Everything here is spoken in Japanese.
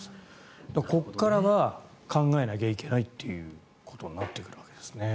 ここからは考えなきゃいけないとなってくるわけですね。